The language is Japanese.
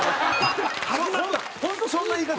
本当そんな言い方。